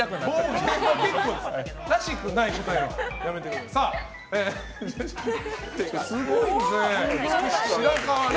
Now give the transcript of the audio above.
すごいですね。